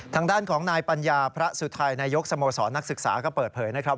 ทางด้านของนายปัญญาพระสุทัยนายกสโมสรนักศึกษาก็เปิดเผยนะครับ